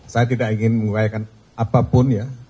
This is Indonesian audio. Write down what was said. saya tidak ingin menguraikan apapun ya